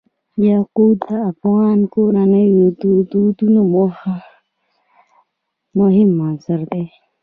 یاقوت د افغان کورنیو د دودونو مهم عنصر دی.